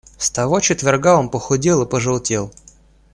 С того четверга он похудел и пожелтел.